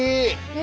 え